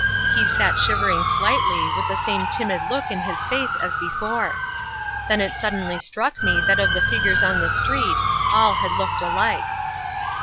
He sat shivering slightly, with the same timid look in his face as before. Then it suddenly struck me that of the figures on the street, all had looked alike.